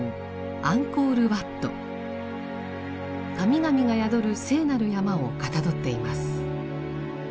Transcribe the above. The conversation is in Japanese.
神々が宿る聖なる山をかたどっています。